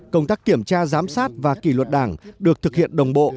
công tác kiểm tra giám sát và kỷ luật đảng được thực hiện đồng bộ